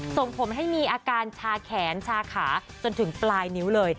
ส่งผมให้มีอาการชาแขนชาขาจนถึงปลายนิ้วเลย